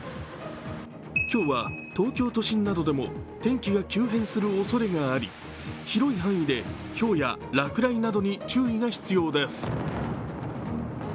今日は東京都心などでも天気が急変するおそれがあり広い範囲でひょうや落雷などに注意が必要です。